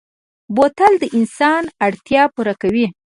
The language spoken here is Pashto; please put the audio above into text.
بوتل د انسان اړتیا پوره کوي.